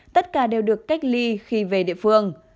tất cả đều được cách ly khi về địa phương